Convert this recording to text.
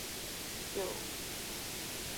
为何这么多脑区与价值信号有关。